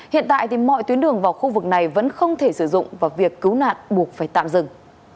hiện tại thì mọi tuyến đường vào khu vực này vẫn không thể sử dụng và việc cứu nạn buộc phải tạm dừng